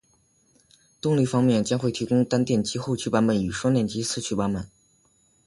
动力方面，将会提供单电机后驱版本与双电机四驱版本